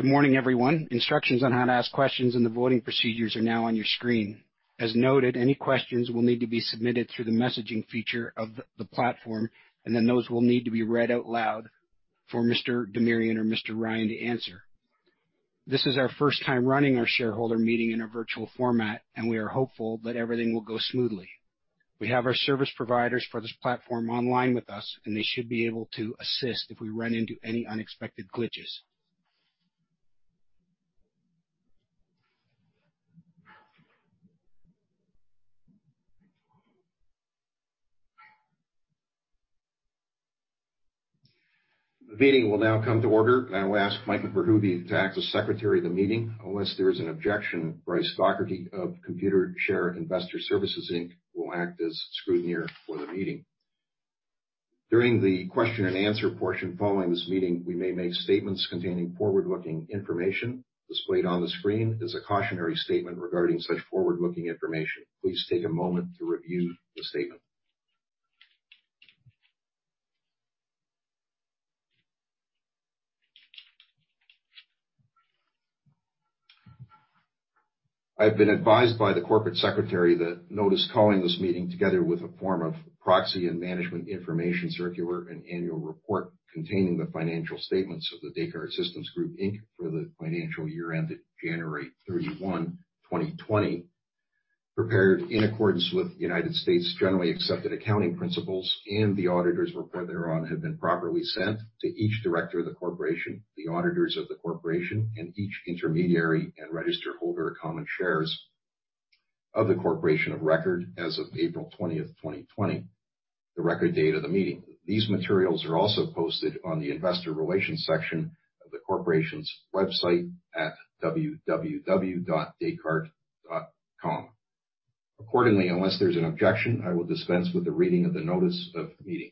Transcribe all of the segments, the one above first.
Good morning, everyone. Instructions on how to ask questions and the voting procedures are now on your screen. As noted, any questions will need to be submitted through the messaging feature of the platform, and then those will need to be read out loud for Mr. Demirian or Mr. Ryan to answer. This is our first time running our shareholder meeting in a virtual format, and we are hopeful that everything will go smoothly. We have our service providers for this platform online with us, and they should be able to assist if we run into any unexpected glitches. The meeting will now come to order. I will ask Michael Verhoeve to act as Secretary of the meeting. Unless there is an objection, Bryce Dougherty of Computershare Investor Services Inc. will act as scrutineer for the meeting. During the question and answer portion following this meeting, we may make statements containing forward-looking information. Displayed on the screen is a cautionary statement regarding such forward-looking information. Please take a moment to review the statement. I've been advised by the corporate secretary that notice calling this meeting, together with a form of proxy and management information circular and annual report containing the financial statements of The Descartes Systems Group Inc for the financial year ended January 31, 2020, prepared in accordance with United States generally accepted accounting principles, and the auditor's report thereon, have been properly sent to each director of the corporation, the auditors of the corporation, and each intermediary and register holder of common shares of the corporation of record as of April 20th, 2020, the record date of the meeting. These materials are also posted on the investor relations section of the corporation's website at www.descartes.com. Accordingly, unless there's an objection, I will dispense with the reading of the notice of the meeting.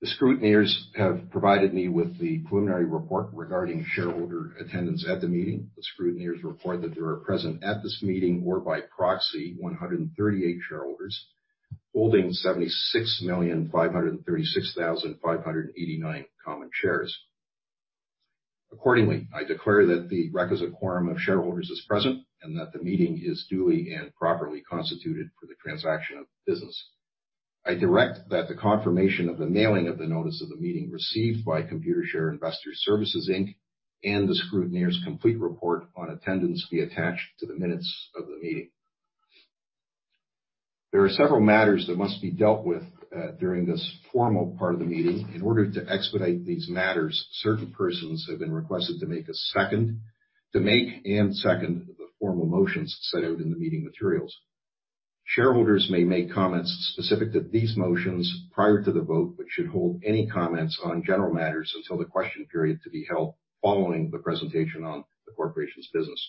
The scrutineers have provided me with the preliminary report regarding shareholder attendance at the meeting. The scrutineers report that there are present at this meeting or by proxy 138 shareholders holding 76,536,589 common shares. Accordingly, I declare that the requisite quorum of shareholders is present and that the meeting is duly and properly constituted for the transaction of business. I direct that the confirmation of the mailing of the notice of the meeting received by Computershare Investor Services Inc. and the scrutineer's complete report on attendance be attached to the minutes of the meeting. There are several matters that must be dealt with during this formal part of the meeting. In order to expedite these matters, certain persons have been requested to make and second the formal motions set out in the meeting materials. Shareholders may make comments specific to these motions prior to the vote, but should hold any comments on general matters until the question period to be held following the presentation on the corporation's business.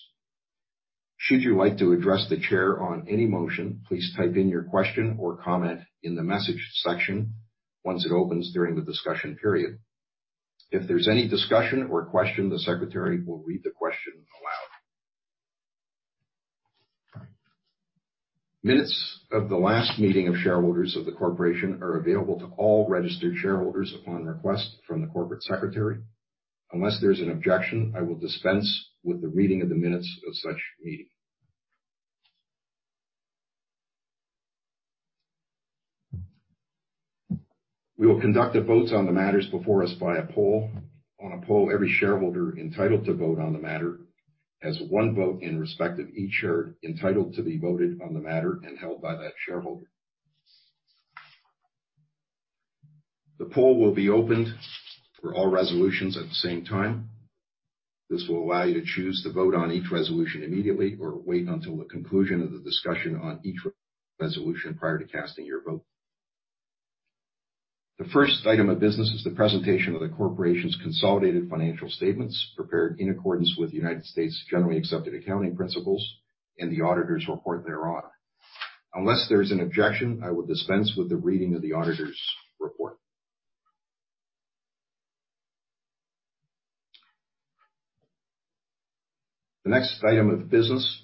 Should you like to address the Chair on any motion, please type in your question or comment in the message section once it opens during the discussion period. If there's any discussion or question, the secretary will read the question aloud. Minutes of the last meeting of shareholders of the corporation are available to all registered shareholders upon request from the corporate secretary. Unless there's an objection, I will dispense with the reading of the minutes of such meeting. We will conduct the votes on the matters before us by a poll. On a poll, every shareholder entitled to vote on the matter has one vote in respect of each share entitled to be voted on the matter and held by that shareholder. The poll will be opened for all resolutions at the same time. This will allow you to choose to vote on each resolution immediately or wait until the conclusion of the discussion on each resolution prior to casting your vote. The first item of business is the presentation of the corporation's consolidated financial statements prepared in accordance with United States generally accepted accounting principles and the auditor's report thereon. Unless there's an objection, I will dispense with the reading of the auditor's report. The next item of business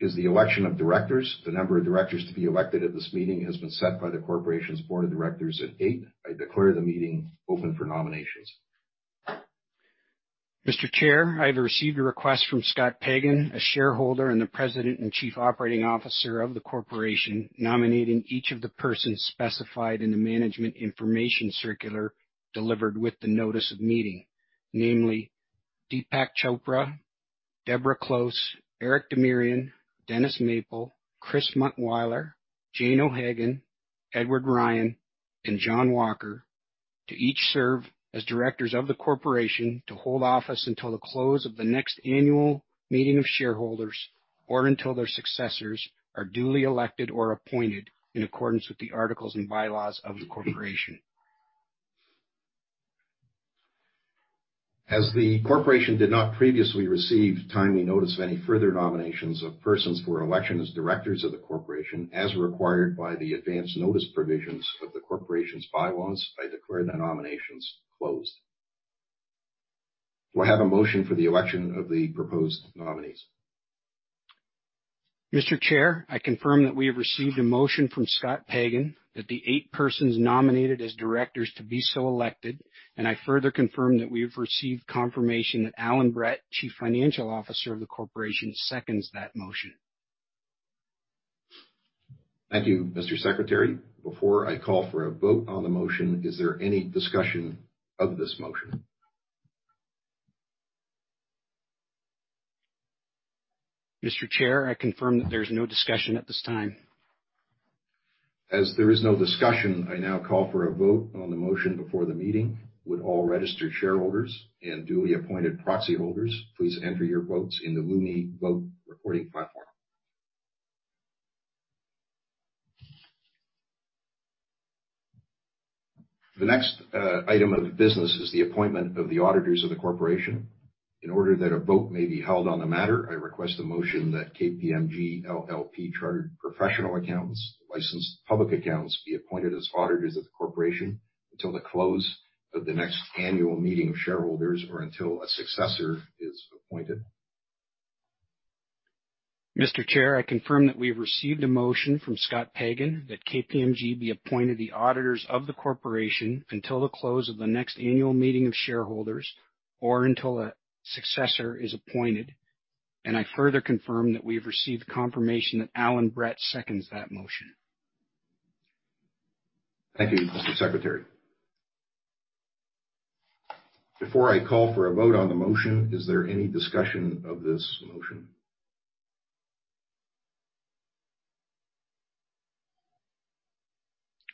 is the election of directors. The number of directors to be elected at this meeting has been set by the corporation's board of directors at eight. I declare the meeting open for nominations. Mr. Chair, I have received a request from Scott Pagan, a shareholder and the President and Chief Operating Officer of the corporation, nominating each of the persons specified in the management information circular delivered with the notice of meeting. Namely, Deepak Chopra, Deborah Close, Eric Demirian, Dennis Maple, Chris Muntwyler, Jane O'Hagan, Edward Ryan, and John Walker to each serve as directors of the corporation to hold office until the close of the next annual meeting of shareholders or until their successors are duly elected or appointed in accordance with the articles and bylaws of the corporation. As the corporation did not previously receive timely notice of any further nominations of persons for election as directors of the corporation, as required by the advance notice provisions of the corporation's bylaws, I declare the nominations closed. Do I have a motion for the election of the proposed nominees? Mr. Chair, I confirm that we have received a motion from Scott Pagan that the eight persons nominated as directors to be so elected, and I further confirm that we have received confirmation that Allan Brett, Chief Financial Officer of the corporation, seconds that motion. Thank you, Mr. Secretary. Before I call for a vote on the motion, is there any discussion of this motion? Mr. Chair, I confirm that there's no discussion at this time. As there is no discussion, I now call for a vote on the motion before the meeting. Would all registered shareholders and duly appointed proxy holders please enter your votes in the Lumi Vote recording platform. The next item of business is the appointment of the auditors of the corporation. In order that a vote may be held on the matter, I request a motion that KPMG LLP, chartered professional accountants, licensed public accountants, be appointed as auditors of the corporation until the close of the next annual meeting of shareholders, or until a successor is appointed. Mr. Chair, I confirm that we have received a motion from Scott Pagan that KPMG be appointed the auditors of the corporation until the close of the next annual meeting of shareholders, or until a successor is appointed. I further confirm that we have received confirmation that Allan Brett seconds that motion. Thank you, Mr. Secretary. Before I call for a vote on the motion, is there any discussion of this motion?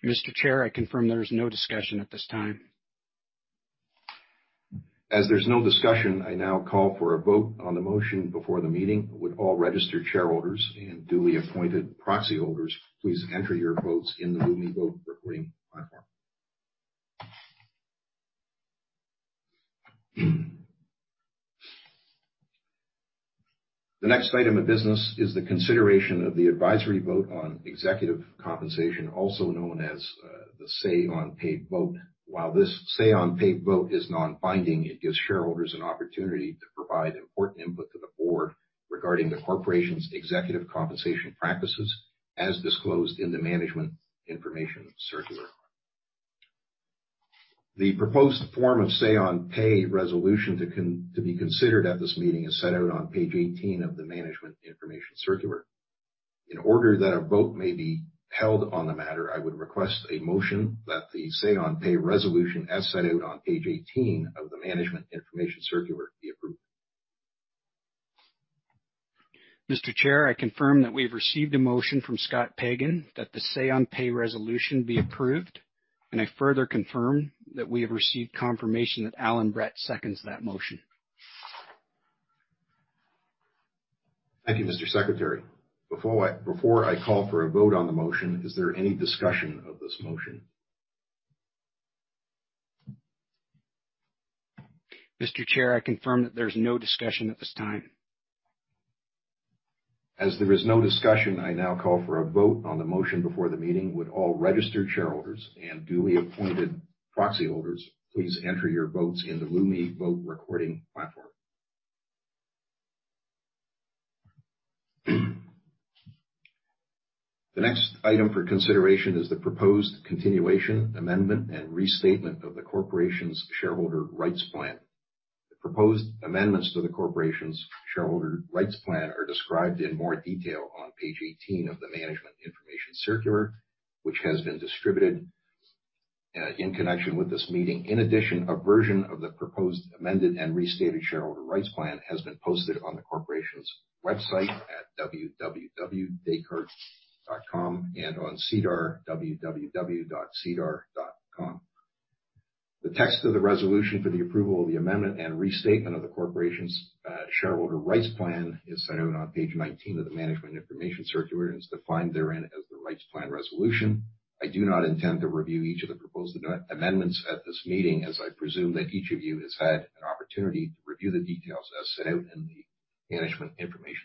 Mr. Chair, I confirm there is no discussion at this time. As there's no discussion, I now call for a vote on the motion before the meeting. Would all registered shareholders and duly appointed proxy holders please enter your votes in the Lumi Vote recording platform. The next item of business is the consideration of the advisory vote on executive compensation, also known as the Say-on-Pay vote. While this Say-on-Pay vote is non-binding, it gives shareholders an opportunity to provide important input to the board regarding the corporation's executive compensation practices as disclosed in the management information circular. The proposed form of Say-on-Pay resolution to be considered at this meeting is set out on page 18 of the management information circular. In order that a vote may be held on the matter, I would request a motion that the Say-on-Pay resolution as set out on page 18 of the management information circular be approved. Mr. Chair, I confirm that we've received a motion from Scott Pagan that the Say-on-Pay resolution be approved, and I further confirm that we have received confirmation that Allan Brett seconds that motion. Thank you, Mr. Secretary. Before I call for a vote on the motion, is there any discussion of this motion? Mr. Chair, I confirm that there's no discussion at this time. As there is no discussion, I now call for a vote on the motion before the meeting. Would all registered shareholders and duly appointed proxy holders please enter your votes in the Lumi Vote recording platform. The next item for consideration is the proposed continuation, amendment, and restatement of the corporation's shareholder rights plan. The proposed amendments to the corporation's shareholder rights plan are described in more detail on page 18 of the management information circular, which has been distributed in connection with this meeting. In addition, a version of the proposed amended and restated shareholder rights plan has been posted on the corporation's website at www.descartes.com and on SEDAR, www.sedar.com. The text of the resolution for the approval of the amendment and restatement of the corporation's shareholder rights plan is set out on page 19 of the management information circular and is defined therein as the rights plan resolution. I do not intend to review each of the proposed amendments at this meeting, as I presume that each of you has had an opportunity to review the details as set out in the management information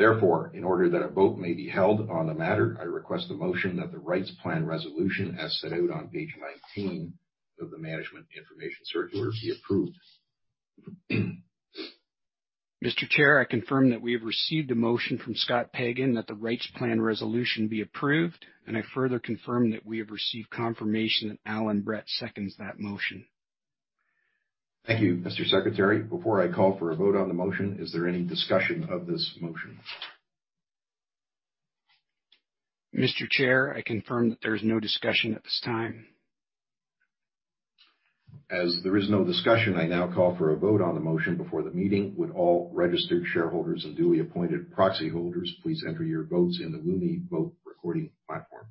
circular. In order that a vote may be held on the matter, I request a motion that the rights plan resolution, as set out on page 19 of the management information circular, be approved. Mr. Chair, I confirm that we have received a motion from Scott Pagan that the rights plan resolution be approved, and I further confirm that we have received confirmation that Allan Brett seconds that motion. Thank you, Mr. Secretary. Before I call for a vote on the motion, is there any discussion of this motion? Mr. Chair, I confirm that there is no discussion at this time. As there is no discussion, I now call for a vote on the motion before the meeting. Would all registered shareholders and duly appointed proxy holders please enter your votes in the Lumi Vote recording platform.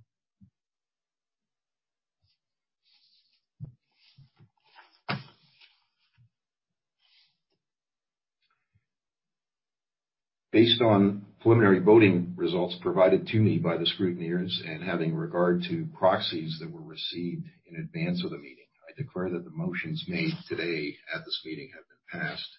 Based on preliminary voting results provided to me by the scrutineers and having regard to proxies that were received in advance of the meeting, I declare that the motions made today at this meeting have been passed.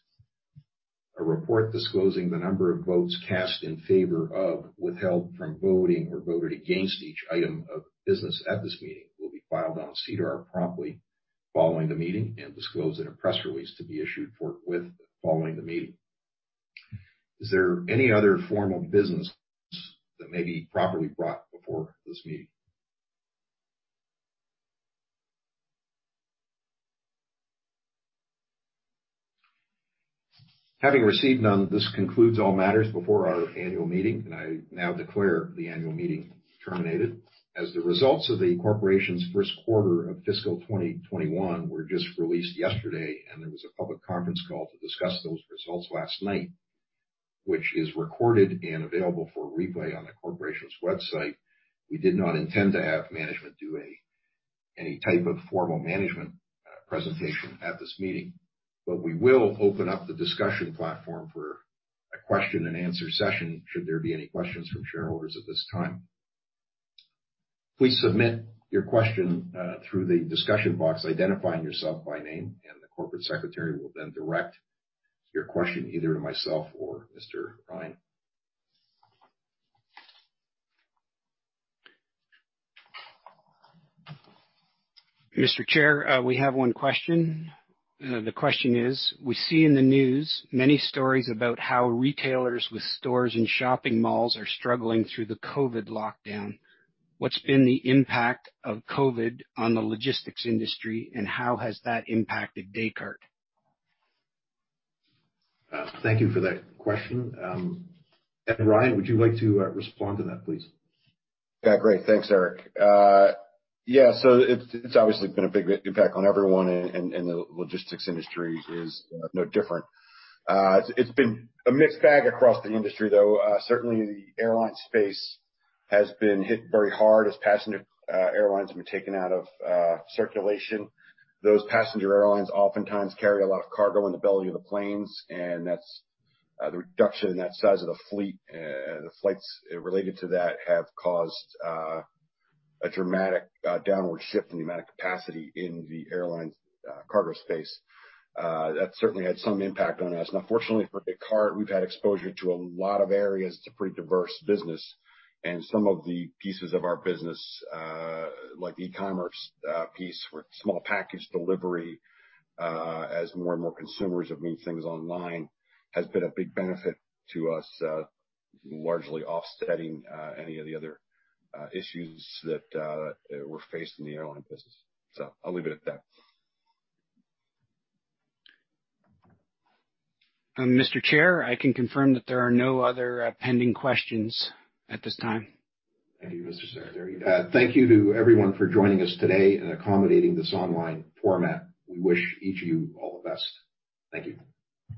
A report disclosing the number of votes cast in favor of, withheld from voting, or voted against each item of business at this meeting will be filed on SEDAR promptly following the meeting and disclosed in a press release to be issued following the meeting. Is there any other formal business that may be properly brought before this meeting? Having received none, this concludes all matters before our annual meeting, and I now declare the annual meeting terminated. As the results of the corporation's first quarter of fiscal 2021 were just released yesterday, and there was a public conference call to discuss those results last night, which is recorded and available for replay on the corporation's website. We did not intend to have management do any type of formal management presentation at this meeting, but we will open up the discussion platform for a question and answer session, should there be any questions from shareholders at this time. Please submit your question through the discussion box, identifying yourself by name, and the corporate secretary will then direct your question either to myself or Mr. Ryan. Mr. Chair, we have one question. The question is: We see in the news many stories about how retailers with stores in shopping malls are struggling through the COVID lockdown. What's been the impact of COVID on the logistics industry, and how has that impacted Descartes? Thank you for that question. Ryan, would you like to respond to that, please? Yeah, great. Thanks, Eric. Yeah. It's obviously been a big impact on everyone, and the logistics industry is no different. It's been a mixed bag across the industry, though. Certainly, the airline space has been hit very hard as passenger airlines have been taken out of circulation. Those passenger airlines oftentimes carry a lot of cargo in the belly of the planes, and the reduction in that size of the fleet, and the flights related to that, have caused a dramatic downward shift in the amount of capacity in the airline cargo space. That certainly had some impact on us. Fortunately for Descartes, we've had exposure to a lot of areas. It's a pretty diverse business. Some of the pieces of our business, like the e-commerce piece for small package delivery, as more and more consumers have moved things online, has been a big benefit to us, largely offsetting any of the other issues that we're facing in the airline business. I'll leave it at that. Mr. Chair, I can confirm that there are no other pending questions at this time. Thank you, Mr. Secretary. Thank you to everyone for joining us today and accommodating this online format. We wish each of you all the best. Thank you.